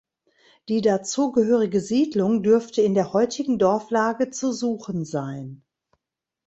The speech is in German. Die dazugehörige Siedlung dürfte in der heutigen Dorflage zu suchen sein.